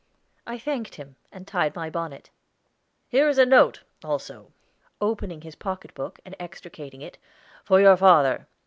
I thanked him, and tied my bonnet. "Here is a note, also," opening his pocketbook and extracting it, "for your father.